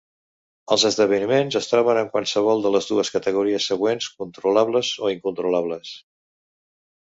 Els esdeveniments es troben en qualsevol de les dues categories següents, controlables o incontrolables.